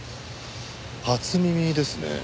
初耳ですね。